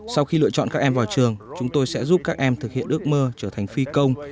sau khi lựa chọn các em vào trường chúng tôi sẽ giúp các em thực hiện ước mơ trở thành phi công